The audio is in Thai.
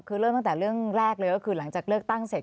คือเริ่มตั้งแต่เรื่องแรกเลยก็คือหลังจากเลือกตั้งเสร็จ